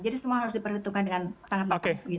jadi semua harus diperhitungkan dengan tangan mata